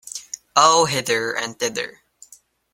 Oh, hither and thither.